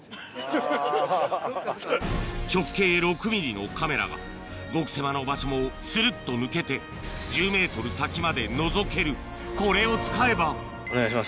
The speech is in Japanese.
直径６ｍｍのカメラが極狭の場所もスルっと抜けて１０ｍ先までのぞけるこれを使えばお願いします。